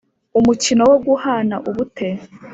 umukino wo guhana ubute,